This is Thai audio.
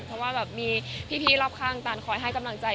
เพราะว่าแบบมีพี่รอบข้างตานคอยให้กำลังใจ